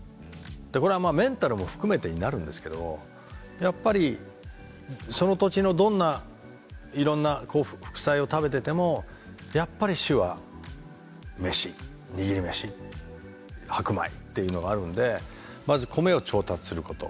これはメンタルも含めてになるんですけどやっぱりその土地のどんないろんな副菜を食べててもやっぱり主は飯握り飯白米っていうのがあるんでまず米を調達すること。